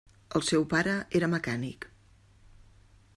El seu pare era mecànic.